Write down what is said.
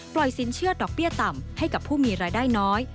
สินเชื่อดอกเบี้ยต่ำให้กับผู้มีรายได้น้อย